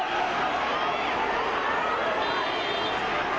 พร้อมท่านจะคุยนะครับขอให้คุย